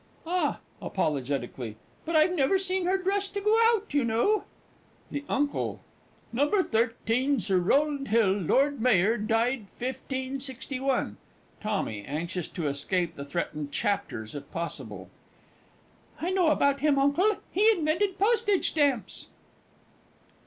Ah! (apologetically) but I've never seen her dressed to go out, you know. THE UNCLE. "No. 13, Sir Rowland Hill, Lord Mayor, died 1561" TOMMY (anxious to escape the threatened chapters if possible). I know about him, Uncle, he invented postage stamps!